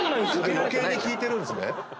余計に効いてるんすね。